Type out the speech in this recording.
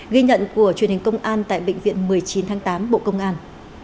ghi nhận của truyền hình công an tại bệnh viện một mươi chín tháng tám bộ công an